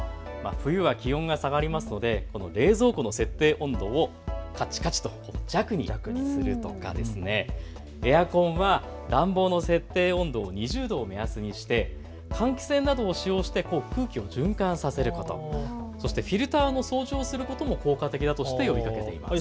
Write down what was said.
冬は気温が下がりますので冷蔵庫の設定温度をカチカチと弱にするとか、エアコンは暖房の設定温度を２０度を目安にして換気扇などを使用して空気を循環させること、そしてフィルターの掃除をすることも効果的だとして呼びかけています。